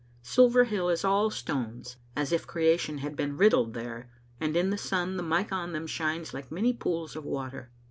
Silver Hill is all stones, as if creation had been riddled there, and in the sun the mica on them shines like many pools of water.